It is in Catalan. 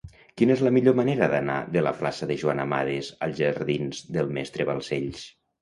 Quina és la millor manera d'anar de la plaça de Joan Amades als jardins del Mestre Balcells?